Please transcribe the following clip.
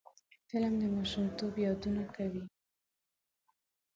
فلم د ماشومتوب یادونه کوي